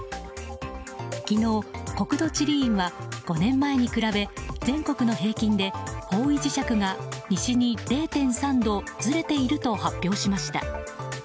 昨日、国土地理院は５年前に比べ全国の平均で方位磁石が西に０．３度ずれていると発表しました。